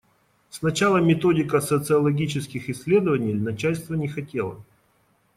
Сначала методика социологических исследований, начальство не хотело.